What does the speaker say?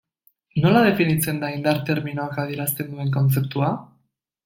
Nola definitzen da indar terminoak adierazten duen kontzeptua?